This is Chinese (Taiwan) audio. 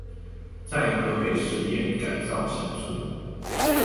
在河北實驗改造鄉村